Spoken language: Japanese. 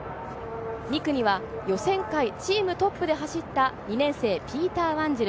２区には予選会チームトップで走った２年生、ピータ―・ワンジル。